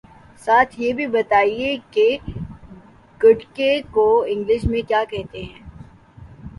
ساتھ یہ بھی بتائیے کہ گٹکے کو انگلش میں کیا کہتے ہیں